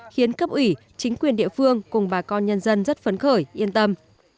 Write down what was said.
khiến cấp ủy chính quyền địa phương cùng bà con nhân dân rất phấn khởi yên tâm